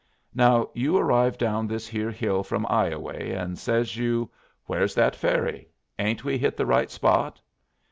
"Now you arrive down this here hill from Ioway, and says you: 'Where's that ferry? 'Ain't we hit the right spot?'